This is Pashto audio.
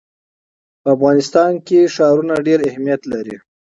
په افغانستان کې ښارونه ډېر اهمیت لري.